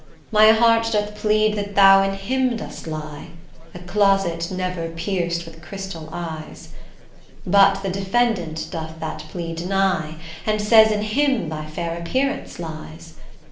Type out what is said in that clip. My heart doth plead that thou in him dost lie, A closet never pierced with crystal eyes; But the defendant doth that plea deny, And says in him thy fair appearance lies.